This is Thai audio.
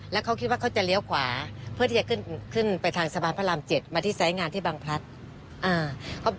แล้วเขาคิดว่าเขาจะเลี้ยวขวาเพื่อที่จะขึ้นไปทางสะพานพระราม๗มาที่สายงานที่บางพลัด